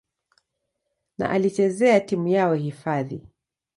na alichezea timu yao hifadhi.